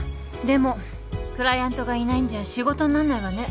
でもクライアントがいないんじゃ仕事になんないわね。